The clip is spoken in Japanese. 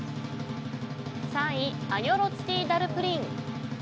３位アニョロッティダルプリン。